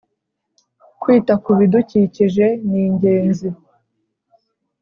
kwita ku bidukikije ni ingenzi